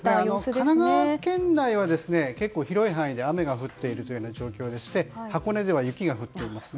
神奈川県内は結構、広い範囲で雨が降っている状況でして箱根では雪が降っていますね。